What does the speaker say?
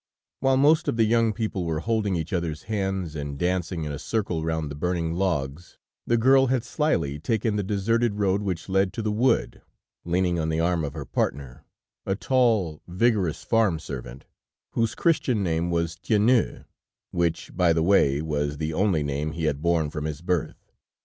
While most of the young people were holding each others' hands and dancing in a circle round the burning logs, the girl had slyly taken the deserted road which led to the wood, leaning on the arm of her partner, a tall, vigorous farm servant, whose Christian name was Tiennou, which, by the way, was the only name he had borne from his birth.